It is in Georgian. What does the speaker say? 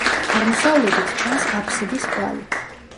აღმოსავლეთით ჩანს აფსიდის კვალი.